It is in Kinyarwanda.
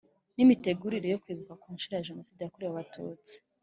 N imitegurire yo kwibuka ku nshuro ya jenoside yakorewe abatutsi